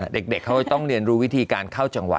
เด็กเขาจะต้องเรียนรู้วิธีการเข้าจังหวะ